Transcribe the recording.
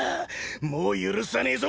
もう許さねえぞ！